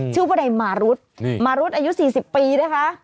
ชื่อว่าในมารุธมารุธอายุ๔๐ปีนะคะ